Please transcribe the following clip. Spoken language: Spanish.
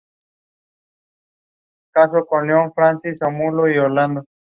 La producción del álbum es en su totalidad hecha por Tiësto.